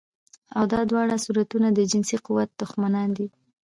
او دا دواړه صورتونه د جنسي قوت دښمنان دي